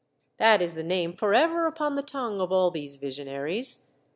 That is the name forever upon the tongue of all these visionaries.